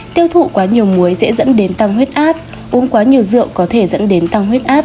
tiêu thụ quá nhiều muối dễ dẫn đến tăng huyết áp uống quá nhiều rượu có thể dẫn đến tăng huyết áp